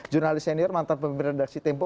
jurnalis senior mantan pemimpin redaksi tempo